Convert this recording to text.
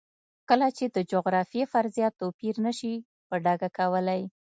کله چې د جغرافیې فرضیه توپیر نه شي په ډاګه کولی.